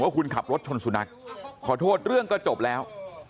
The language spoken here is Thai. คุณขับรถชนสุนัขขอโทษเรื่องก็จบแล้ว